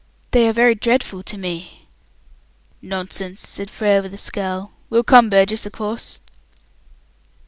They are very dreadful to me." "Nonsense!" said Frere, with a scowl. "We'll come, Burgess, of course."